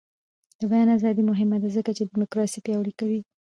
د بیان ازادي مهمه ده ځکه چې دیموکراسي پیاوړې کوي.